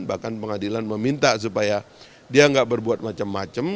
bahkan pengadilan meminta supaya dia gak berbuat macem macem